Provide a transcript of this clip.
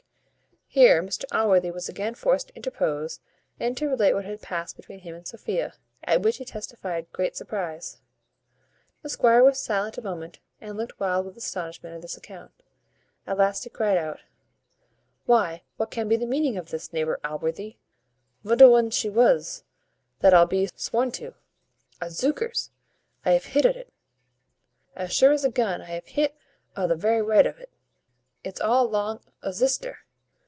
Here Mr Allworthy was again forced to interpose, and to relate what had passed between him and Sophia, at which he testified great surprize. The squire was silent a moment, and looked wild with astonishment at this account. At last he cried out, "Why, what can be the meaning of this, neighbour Allworthy? Vond o'un she was, that I'll be sworn to. Odzookers! I have hit o't. As sure as a gun I have hit o' the very right o't. It's all along o' zister.